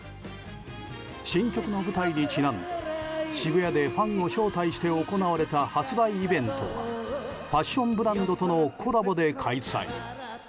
新曲の舞台にちなんで渋谷でファンを招待して行われた発売イベントはファッションブランドとのコラボで開催。